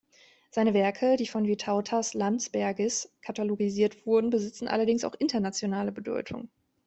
Seine Werke, die von Vytautas Landsbergis katalogisiert wurden, besitzen allerdings auch internationale Bedeutung.